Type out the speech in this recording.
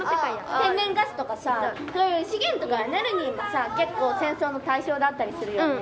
天然ガスとかさそういう資源とかエネルギーがさ結構戦争の対象だったりするよね。